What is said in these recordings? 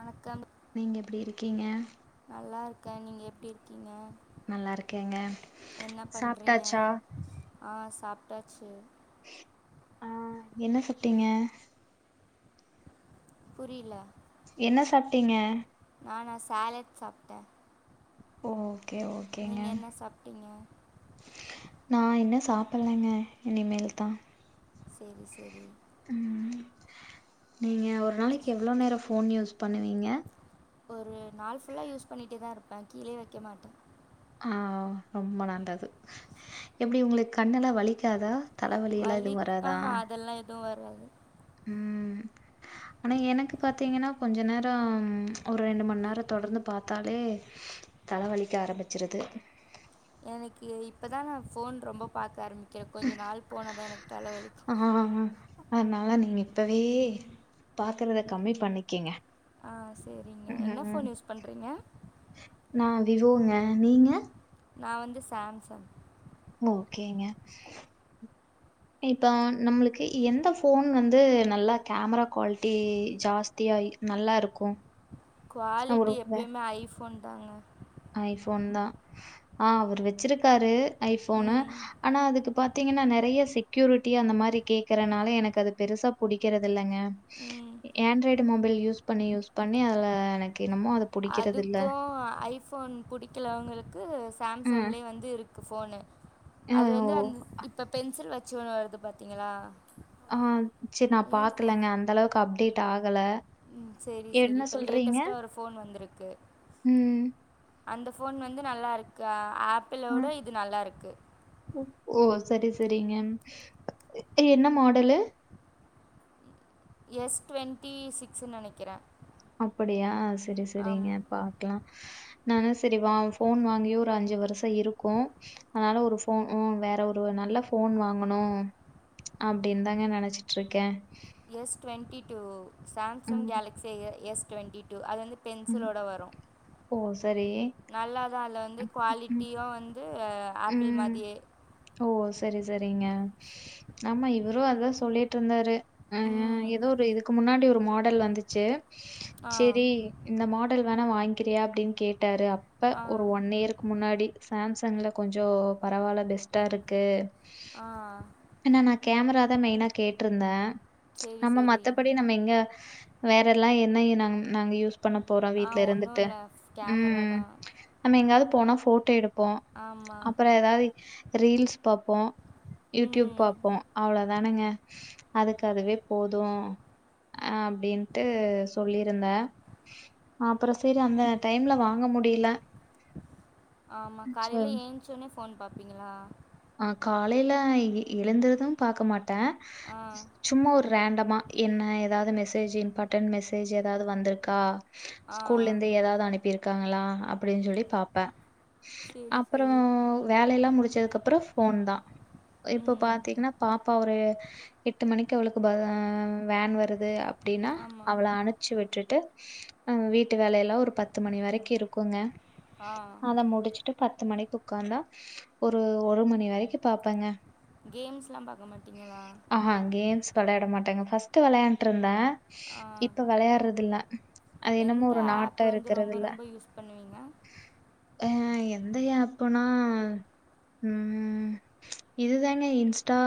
வணக்கம் நீங்க எப்டி இருக்கீங்க நல்லா இருக்கேன் நீங்க எப்டி இருக்கீங்க நல்லா இருக்கேங்க என்ன சாப்பிட்டாச்சா சாப்டாச்சி ஆஹ் என்ன சாப்டீங்க புரியில என்ன சாப்பிட்டீங்க ஆ நான் சாலட் சாப்பிட்டேன் ஓ ஓகே ஓகேங்க நீங்கள் என்ன சாப்பிட்டீங்க நான் என்ன சா சாப்லங்க இனிமேல் தான் சேரி சேரி உம் ம் நீங்க ஒரு நாளைக்கு எவ்ளோ நேரம் ஃபோன் யூஸ் பண்ணுவீங்க ஒரு நாள் ஃபுல்லா யூஸ் பண்ணிட்டே தான் இருப்பேன் கீழே வக்க மாட்டே ஆஹ் ரொம்ப நல்லது எப்டி உங்களுக்கு கண்ணெல்லாம் வலிக்காதா தலவலி ல்லா வலி எதுவு வராதா ஆஹா [unintelligible] வராது உம் ஆனா எனக்கு பாத்தீங்கன்னா கொஞ்ச நேரம் ஒரு ரெண்டு மணி நேரம் தொடர்ந்து பாத்தாலே தலவலிக்க ஆரம்பிச்சிருது எனக்கு இப்பதான் நான் போன் ரொம்ப பாக்க ஆரம்பிச் கொஞ்சம் நாள் போனா தான் எனக்கு ஆ தலவலிக்கும் அதனால நீங்க இப்பவே பாக்குறத கம்மி பண்ணிக்கீங்க ஆஹ் சேரிங்க என்ன போன் யூஸ் பண்றீங்க நான் விவோங்க நீங்க நான் வந்து சாம்சன் ஓகேங்க இப்ப நம்மளுக்கு எந்த போன் வந்து நல்லா கேமரா குவாலிட்டி ஜாஸ்தியா நல்லா இருக்கும் குவாலிட்டி எப்பயுமே ஐ ஃபோ போன் தாங்க ஐபோன் தான் ஆஹ் அவுரு வச்சிருக்காரு ஐபோனு ம் ஆனா அதுக்கு பாத் பாத்தீங்கன்னா நெறய செக்யூரிட்டி அந்த மாரி கேக்குறனால எனக்கு அது பெருசா புடிக்கறது இல்லங்க ம் ஏண்ட்ராய்டு மொபை யூஸ் பண்ணியூஸ் பண்ணி அதுல எனக்கு என்னமோ புடிக்கிறது இல்ல அதுக்கும் ஐபோன் புடிக்கலவங்களு க்கு ம் சாம்சங்லேயே வந்து இருக்கு ஃபோனு ஆ, அது வந்து ஓ அந்த இப்ப பென்சில் வச் அச்சி [unintelligible] ஒன் வருது பாத்தீங்களா ஆஹ் ஜேரி நான் பாக்கலங்க அந்த அளவுக்கு அப்டேட் ஆக் உம் சேரி சேரி இப்ப லேட்டஸ்ட்டா ஒரு போன் வந்திருக்கு ம். அந்த போன் வந்து நல்லா இருக்கா ஆப் ஆப்பிளோட ம். இது நல்லா இருக்கு ஓ! சரி சரிங்க என்ன மாடலு எஸ் டுவெண்ட்டி சிக்ஸ்சுன்னு நெனைக்கிறேன் அப்படியா சரி சரிங்க பாக்கலாம் நான் சரிவா ஃபோன் வாங்கி ஒரு அஞ்சு வருஷம் இருக்கும் அதனால ஒரு ஃபோன் வேற ஒரு நல்ல ஃபோன் வாங்கணும் அப்டின்னு தாங்க நெனச்சிட்டுருக்கேன் எஸ் டுவெண்ட்டி டூ சாம்சங் ம், கேலகஸி எஸ் டுவெண்டி டு அது ம். பென்சிலோட வரும் ஓ! சரி. நல்லாதான் வந்து ம், குவாலிட்டியும் ஆப்பிள் ம். மாரியே ஓ! சரி, சரிங்க ஆமா இவரும் அதான் சொல்லிட்டு இருந்தாரு ஆஹ் ம். ஏதோ ஒரு இதுக்கு இக்கு முன்னாடி ஒரு மாடல் வந்துச்சு ஆ, சரி இந்த மாட்டு [unintelligible] வனம் வாங்கிறியா அப்படின்னு கேட்டு [inaudible] விட்டாரு அப்ப ஆ, ஒரு ஒன் இயருக்கு முன்னாடி சாம்சங்ல கொஞ்சம் பரவால்ல பெஸ்ட்டா இருக்கு ஆஹ் என்னா நான் கேமராதான் மெயினா கேட்டிருந்தேன் சரி, நம்ம சரி. மத்தபடி நம்ம எங்க வேற எல்லாம் என்ன நாங்க யூஸ் [inaudible] பண்ண போறோம் ஆ வீட்டுல ஒண்ணும் இருந்துட்டு இல்ல. கேமரா உம் தான். நம்ம எங்காவது போனா போ தேடு பாபோம் ஆமா. அப்புறம் ஏதாவது ரீல்ஸ் பாப்போம் யூடியூப் ம். பார்போம் அவ்ள தான் தானுங்க அதுக்கு அதுவே போதும் அஹ் அப்படின்ட்டு சொல்லியிருந்தே அப்புறம் சரி அந்த டைம்ல வாங்க முடியல ஆமா சோ காலையில ஏன்சோன்னே போன் பார்ப்பீங்களா ஆஹ் காலையில எழுந்ததும் பார்க்க மாட்டேன் ஆ, சும்மா ஒரு ரேண்டமா என்ன ஏதாவது மெசேஜ் இம்பார்டன்ட் மெசேஜ் ஏதாவது வந்திருக்கா ஆ. ஸ்கூல்ல இருந்து ஏதாவது அனுப்பிருக்கு இருக்காங்களா அப்படின்னு சொல்லி பார்பேன் சரி, அப்புறம் சரி. வேலை எல்லாம் முடிச்சதுக்கு போன் தான் இப்ப ம். பாத்தீங்கன்னா பாப்பாவ எட்டு மணிக்கு அவளுக்கு வேன் வருது அப்படின்னா ஆமா. அவளை அமிச்சி விட்டுட்டு அஹ் வீட்டு வேலைய எல்லாம் ஒரு பத்து மணி வரைக்கும் இருக்குங்க ஆ. அத முடிச்சுட்டு பத்து மணிக்கு உக்காந்தா ஒரு ஒரு மணி வரைக்கும் பாப்பேங்க கேம்ஸ்லாம் பார்க்க மாட்டீங்களா? ஆஹஹா கேம்ஸ் விளையாட மாட்டாங்க ஃபஸ்ட்டு விளையாண்டுருந்தேன் ஆ. இப்ப விளையாடுறது இல்ல அது என்னமோ எந்த ஒரு ஆப் நாட்டா வந்து இருக்குறது ரொம்ப இல்ல ரொம்ப யூஸ் பண்ணுவீங்க? அஹ் எந்த ஆப்புனா உஹம் இதுதாங்க இன்ஸ்டா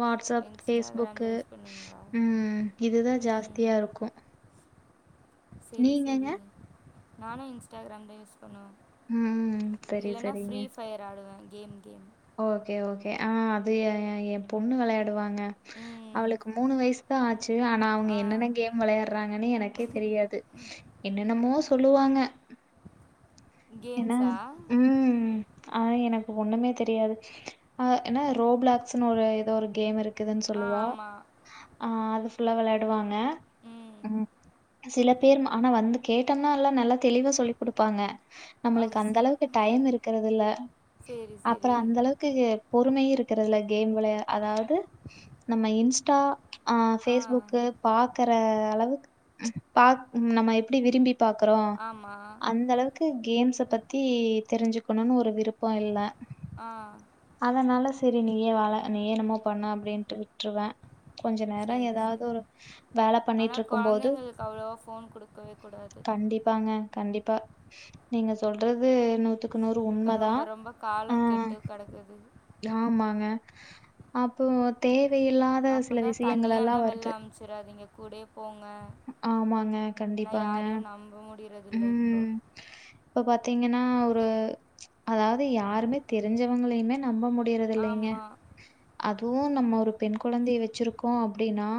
வாட்ஸ்அப் இன்ஸ்டாகிராம் பேஃபேஸ்புக் தான் யூஸ் பண்ணுவீங்களா? உம் இதுதான் ம். ஜாஸ்தியா இருக்கும் சரி சரி நானும் இன்ஸ்டாகிராம் தா யூஸ் பண்ணும் ம் சரி இல்லைன்னா சரிங்க. ஃப்ரீ ஃபயர் ஆடுவேன் கேம் கேம் ஓகே ஓகே ஆஹ் அது என் பொண்ணு விளையாட ம் அவளுக்கு மூணு வயசு தான் ஆச்சு ஆனா அவங்க ஆ என்னன்ன கேம் விளையாடுறாங்கன்னு எனக்கே தெரியாது என்னென்னமோ சொல்லுவாங்க என்னா கேம்ஸா உம் ஆஹ எனக்கு ஒண்ணுமே தெரியாது ஆஹ் ஏன்னா ரோப்ளாக்ஸ்ன்னு ஒரு ஏதோ ஒரு கேம் இருக்கு க்குதுன்னு ஆ ஆமாம் சொல்லுவாஹ் ஃபுல்லா விளையாடுவாங்க ம் உம் சில பே ஆனா வந்து கேட்டோம்னா எல்லாம் நல்லா தெளிவா சொல்லி் கொடுப்பாங்க ஆ நம்மளுக்கு அந்த சரி அளவுக்கு டைம் இருக்கிறது இல்ல சரி சரி அப்புறம் அந்த அளவுக்கு பொறுமை இருக்கிறது இல்ல கேம் விளைய அதாவது நம்ம இன்ஸ்டா ஆஹ் ஆ பேஸ்புக் பாக்குற அளவுக் பா நம்ம எப்டி விரும்பி பாக்குறோ ஆமாம் அந்த அளவுக்கு கேம்ஸ் இ தெரிஞ்சுக்கணுனு ஒரு விருப்ப இல்ல ஆ அதனால செரி நீயே வாழ நீ என்னம்மோ பண்ணு அப்டின்ட்டு விட்ருவே கொஞ்ச நேரோ சேரி ஏதாவது சேரி ஒரு வேல ஆனா பண்ணிட்ருக்கும் போது கொழந்தைங்களுக்கு அவ்ளவா ஃபோன் குடுக்கவே கூடாது கண்டிப்பாங்க கண்டிப்பா நீங்க சொல்ற து நூத்துக்கு நூறு இப்போ உண்மதா ரொம்ப ரொம்ப ஆ காலம் கெட்டு கிடக்குது ஆமாங்க அப்போ தே வையில்லாத அப்படி சில விஷயங்களெல்லா வருது கூடயெ ஆமாங்க கண்டிப்பாங்க தில்லையிப்ப ம். இப்ப பாத்தீங்கன்னா ஒரு அதாவ்து யாருமே தெரிஞ்சவங்களைமே நம்ப முடியறதில்லைங்க ஆமாம் அதுவு நம்ம ஒரு பெண் கொழந்தய வச்சிருக்கோ அப்டின்னா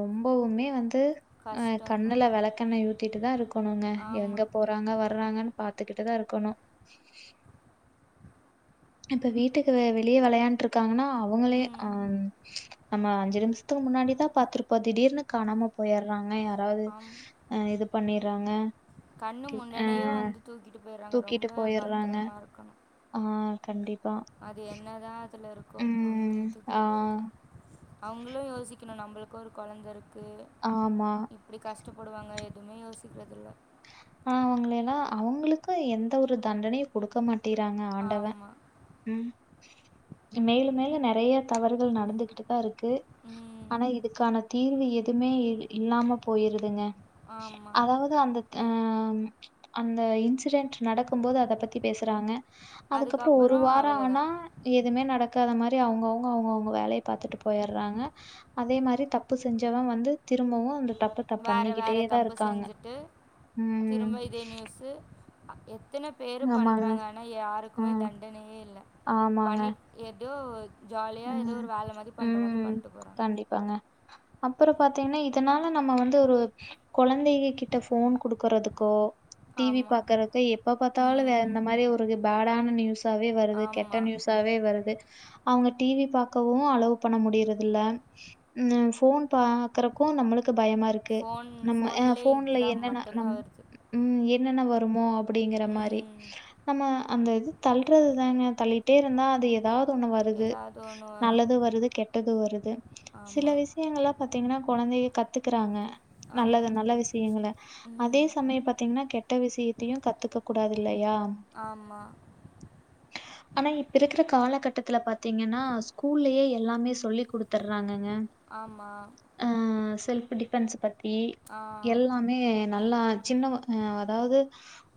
ரொம்பவுமே வந் து கஷ்டம்தான் கண்ணுல வெளக்கெண்ணய ஊத்திட்டு தா இருக்கணுங்க எங்க ஆமாம் போறாங்க வர்றாங்கனு பாத் துக்கிட்டுதா இருக்கணு இப்ப வீட்டுக்கு வெளிய வெளையான்ட்ருக்காங்கனா அவுங்களே ம் அம் நம்ம அஞ்சு நிம்சத்துக்கு முன்னாடிதா பாத்துருப்போ திடீர்னு காணாம போயர்றாங்க யா ராது ஆமாம் இது பண்ணிர்றாங்க கண்ணு அ முன்னாடியே வந்து தூக்கிட்டு போயிடுறாங்க தூக்கிட்டு ரொம்ப போயிர்றாங்க பத்திரமா இருக்கணும் ஆ கண்டிப் அது என்னதா அதுலருக் கோ வந்து ம் ஆ தூக்கிட்டு போறது அவுங்களு யோசிக்கணு நம்பளுக்கு ஒரு கொழந்தருக் க்கு ஆமா இப்டி கஷ்டப்படுவாங்க எ துமே யோசிக்றதில்ல ஆ அவுங்கள எல்லா அவுங்களுக்கு எந்த ஒரு தண்டனையு குடுக்க மாட் டிறாங்க ஆண்டவ ஆமாம் உம் மேலும் மேலு நெறைய தவறுகள் நடந்துகிட்டுதாருக் க்கு ம் ஆனா இதுக்கான தீர்வு எதுவுமே இ இல்லாம போயிருதுங்க ஆமாம் அதாவது அந்த அந்த இன்சிடென்ட் நடக்கும் போது அதை பத்தி பேசுறாங்க அதுக்கப்புறம் ஒரு வாரம் ஆனா எதுவுமே நடக்காத மாதிரி அவங்க அவங்க அவங்க அவங்க வேலையை பார்த்துட்டு போயிடுறாங்க அதே மாதிரி தப்பு செஞ்சவன் வந்து திரும்பவும் அந்த தப்பத்தை வேறு பண்ணிக்கிட்டே வேறு தான் தப்பு இருக்காங்க செஞ்சுட்டு ம் திரும்ப இதே நியூஸு எ எத்தனை பேர் ஆமாங்க பண்றாங்க ஆனா ஆ யாருக்குமே தண்டனையே இல்லை ஆமாங்க பண்ணி எதோ ஜாலியா ஏதோ ம் ஒரு வேலை மாதிரி பண்ற மாதிரி ம் பண்ணிட்டு போறாங்க கண்டிப்பாங்க அப்புறம் பாத்தீங்கன்னா இதனால நம்ம வந்து ஒரு கொழந்தைககிட்ட ஃபோன் கொடுக்கறதுக்கோ டிவி ஆமா பாக்குறக்கு எப்ப பாத்தாலு வேற ம் இந்த மாரி ஒரு பேடான நியூஸாவே வருது கெட்ட ஆமா நியூஸாவே வருது அங்க டிவி பாக்கவு அளவு பண்ண முடியறதுல்ல போன் பாக்குறக்கு நம்மளு பயமாருக்கு ஃபோன் நம்ம ஃபோன்லே ஃபோன்ல இதுதா என்னென்ன மட்டுந்தா நம் வருது உம் என்னென்ன வரு மோ அப்டிங்கற மாரி ம் நம்ம அந்த இது தல்றது தான தள்ளிட்டே இருந்தா அது ஏதா ஒன்னு வருது எதாவது ஒன்னு வரு நல்லது வருது கெட்டது வருது சில ஆமா விஷயங்கலா பாத்தீங்கனா கொழந்தையே கத் த்துக்குறாங்க ஆமா நல்லது நல்ல விஷயங்கள அதே ம் சமய பாத்தீங்கனா கெட்ட விஷயத்தையு கத்துக்க கூடாது இல்லயா ஆமா அனா இப்ப இருக்குற காலகட் த்துல பாத்தீங்கனா ஸ்கூல்யே எல்லாமே சொல்லி கொடுத்துறாங்க ஆமா ஹ செல்படி [unintelligible] பத்தி ஆ எல்லாமே நல்லா சின்னவ ஹ அதாது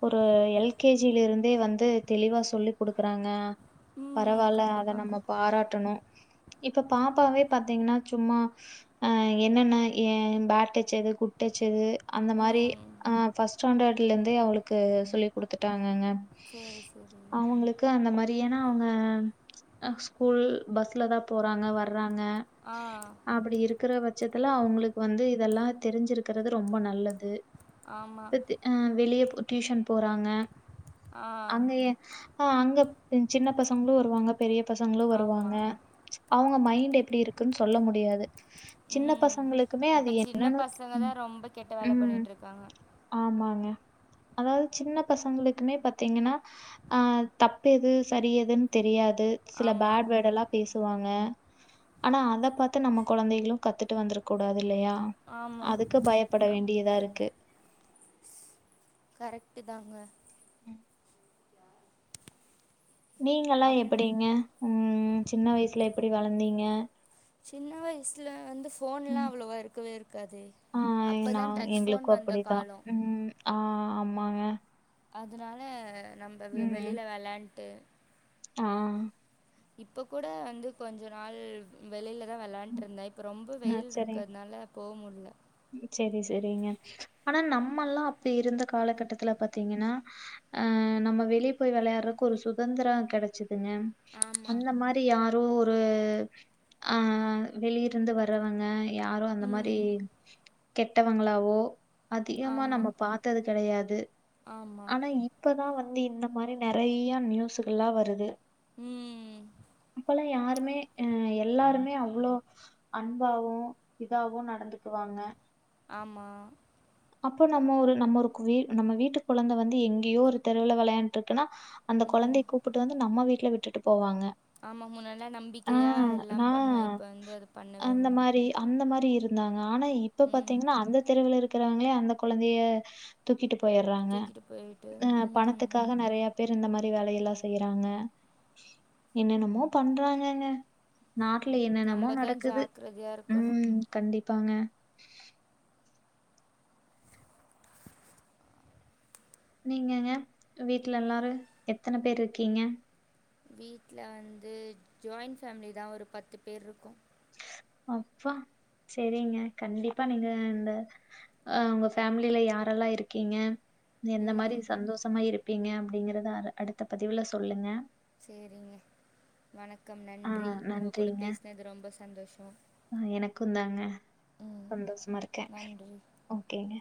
ஒரு எல்கேஜிலிருந்தே வந்து தெளிவா சொல்லி் கொடுக்குறாங்க உம் உம் கண்டிப்பா கண்டிப்பா ட்டணும் இப்ப பாப்பாவே பாத்தீங்கனா சும்மா ஹ என்னென்ன பேட் டச்சது குட் டச்சது அந்த மாரி ம் ஹ ஃபஸ்ட்டாண்டர்ட் டுலந்தே அவுளுக்கு சொல்லி் கொடுத்துட்டாங்கங்க சரி சரி அவுங்களுக்கு அந்த மாரி ஏனா அவுங்க ஸ்கூல் பஸ்ல தா போறாங்க வர்றாங். க ஆ அப்படி இருக்குற பச். ச்சத்துல அவுங்களுக்கு வந்து இதல்லா தெரிஞ்சிருக்கறது ரொம்ப நல்லது. ஆமா இப்பத் ஹ வெளிய போ. டியூஷன் போறாங்க. ஆ அங்கயே. ஆஹ அங்க சின்ன பசங்களு வருவாங்க. பெரிய. பசங்களு ஆமா வருவாங்க. ம்ச் அவுங்க மை. டு எப்டி இருக்குன் சொல்ல முடியாது. சின்ன ம் பசங்களுக்குமே அது இப்ப சின்ன என்னன்னு பசங்க தா உம் ரொம்ப கெட்ட வேல உஹம் பண்ணிட்ருக்காங்க ஆமாங். க. அதாவது சின்ன பசங்களுக்குமே பாத்தீங்கன்னா ஆஹ தப்பு எது சரி எதுனு தெரியாது. சில ஆமா பேட் வேர்ட் எல்லா பேசுவாங்க. ஆனா அத பாத்து நம்ம குழந்தைகளு கத்துட்டு வந்தரக்க கூடாது இல்லையா. ஆமா அதுக்கு பயப்பட ஆமா வேண்டியதா இருக்கு. கரெக்ட்டு தாங்க. நீங்கல்லா அப் எப்படிங்க. உஹம் சின்ன வயசுல எப்படி வளந்தீங்க. சின்ன வயசுல வந்து போன் எல்லா ம் அவ்வளோவா இருக்கவே இருக்காது. ஆ அப்பதா டச் போன் வந்த காலோ. ஆஹ ஆமாங்க. அதனால. நம்ப வெ வெளியில வெளாண்ட்டு. ஆஹா. இப்ப கூட வந்து கொஞ்ச நாள் வெளில. தா வெளையாண்ட்டிருந்த இப்ப ரொம்ப வெயில் இருக்குறதுனால. போ முடில்ல. சேரி சேரிங்க. ஆனா நம்மல்லா அப்படி இருந்த காலகட்டத்துல பாத்தீங்கன்னா அஹ நம்ம வெளிய போய் வெளையாடுறதுக்கு ஒரு சுகந்திர கெடச்சது. ங்க ஆமா அந்த மாரி யாரோ ஒரு. ஒரு ஆஹ வெளிய இருந்து வர்றவங்க. யாரும் அந்த மாரி. ம் கெட்டவங்களாவோ. அதிகமா ஆமா நம்ம பாத்தது கெடையாது. ஆமா ஆனா இப்பதா வந்து. வந்து இந்த மாரி நெறைய நியூஸ்ங்கல்லா வருது. உஹம். அப்பல்லா யாருமே ஹ எல்லாருமே அவ்ளோ அன்பாவும் இதாவும் நடந்து. இருக்குவாங்க. ஆமா அப்போ நம்ம ஒரு நம்ம ஒரு வீ நம்ம வீட்டு கொழந்தை வந்து எங்கயோ ஒரு தெருவுல வெளையாட்டுட்டு இருக்குன்னா அந்த ம் கொழந்தைய கூப்பிட்டு வந்து நம்ம வீட் ல விட்டுட்டு போவாங்க ஆமா முன்னால் ஆ நம்பிக்கையா எல்லா நா பண்ணலாம் இப்ப வந்து அது பண்ணவே அந்த முடி மாரி அந்த மாரி இருந்தாங்க ஆனா இப்ப பாத்தீங்கன்னா அந்த தெருவுல இரு இருக்கிறவங்களே அந்த கொழந்தைய துக் துக்கிட்டு போயிடுறாங்க தூக்கிட்டு போயிட்டு ம் பணத்துக்காக நெறைய பேர் இந்த மாரி வேலையெல்லாம் செய்றாங்க என்னன்னமோ பண்றாங்கங்க நாட்டுல என்னென்னமோ நம்ம தான் நடக்குது ஜாக்கிரதையா இருக்கணு உம் கண்டிப் ப்பாங்க நீங்கங்க வீட்ல எல்லாரும் எத்தனை பேரு இருக்கீங்க வீட்ல வந்து ஜாயிண்ட் ஃபேம்லி தான் ஒரு பத்து பேர் இருக்கோம் அப்பா சரிங்க கண்டிப்பா நீங்க இந்த அஹ உங்க ஃபேமிலில யாரெல்லாம் இருக்கீங்க எந்த மாரி ம் சந்தோஷமா இருக் இருப்பீங்க அப்டிங்கறத அடுத்த பதிவுல சொல்லுங்க சரிங்க வணக் வணக்கம் ஆ நன்றி உங்க கூட நன்றிங்க. பேசினது ரொம்ப சந்தோஷம் குந்தாங்க சந்தோஷமா இருக்கேன் நன்றி ஓகேங்க